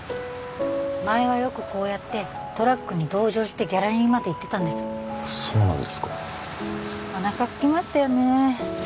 前はよくこうやってトラックに同乗してギャラリーまで行ってたんですそうなんですかおなかすきましたよね